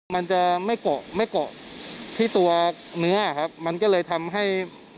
มันจะไม่กดที่ตัวเนื้อครับมันก็เลยทำให้